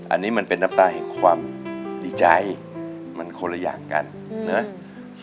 อันนี้มันเป็นน้ำตาแห่งความดีใจมันคนละอย่างกันนะ